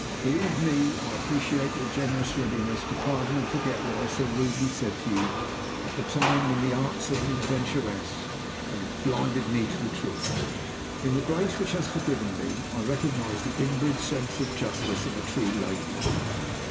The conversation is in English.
Believe me, I appreciate your generous readiness to pardon and forget what I so rudely said to you at a time when the arts of an adventuress had blinded me to the truth. In the grace which has forgiven me I recognize the inbred sense of justice of a true lady.